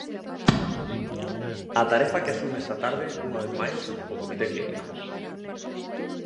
A tarefa que asume esta tarde, unha vez máis, o comite clínico.